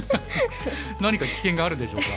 何か危険があるんでしょうか？